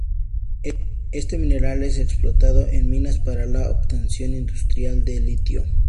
Este mineral es explotado en minas para la obtención industrial de litio.